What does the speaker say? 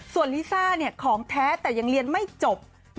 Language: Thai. ส่วนลิซ่าของแท้แต่ยังเรียนไม่จบ